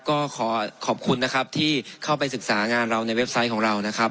ก็ขอขอบคุณนะครับที่เข้าไปศึกษางานเราในเว็บไซต์ของเรานะครับ